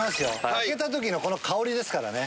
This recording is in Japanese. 開けた時の香りですからね。